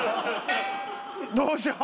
どうしよう。